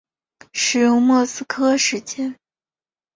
使用莫斯科时间。